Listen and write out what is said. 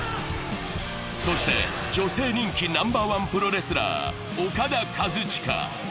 そして女性人気ナンバーワンプロレスラー、オカダ・カズチカ。